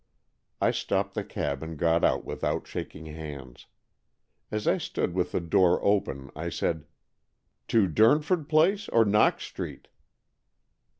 '' I stopped the cab and got out without shaking hands. As I stood with the door open, I said :" To Durnford Place or Knox Street?"